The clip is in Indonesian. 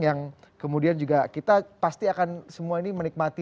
yang kemudian juga kita pasti akan semua ini menikmati